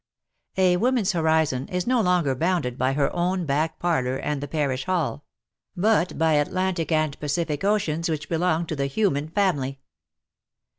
A woman's horizon is no longer bounded by her own back parlour and the parish hall, but by 2 20 WAR AND WOMEN Atlantic and Pacific oceans which belong to the human family.